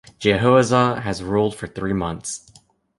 Jehoahaz had ruled for three months.